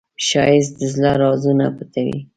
ښایست د زړه رازونه پټوي